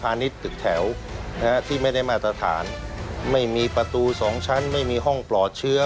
ณิชย์ตึกแถวนะฮะที่ไม่ได้มาตรฐานไม่มีประตูสองชั้นไม่มีห้องปลอดเชื้อ